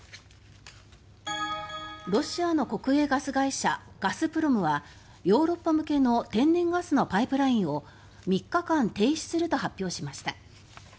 ロシアの国営ガス会社ガスプロムはヨーロッパ向けの天然ガスのパイプラインを３日間停止すると発表しました。